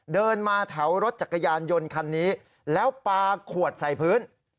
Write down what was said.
เดินมาแถวรถจักรยานยนต์คันนี้แล้วปลาขวดใส่พื้น